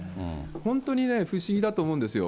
本当に不思議だと思うんですよ。